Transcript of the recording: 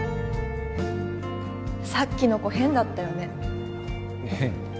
さっきの子変だったよね変？